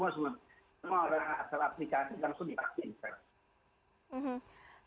semua orang asal aplikasi langsung divaksin